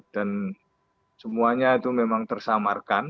dan semuanya itu memang tersamarkan